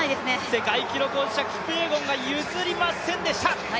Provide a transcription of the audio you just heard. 世界記録保持者、キピエゴンが譲りませんでした。